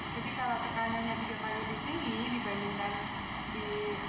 jadi kalau tekanannya tiga paru lebih tinggi dibandingkan di ruangan seperti ini